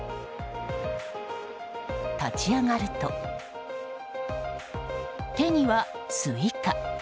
立ち上がると、手にはスイカ！